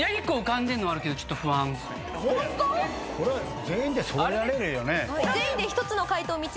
これは全員でそろえられるよね。